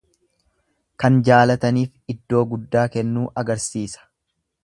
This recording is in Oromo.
Kan jaalataniif iddoo guddaa kennuu agarsiisa.